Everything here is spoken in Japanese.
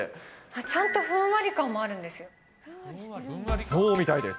ちゃんとふんわり感もあるんそうみたいです。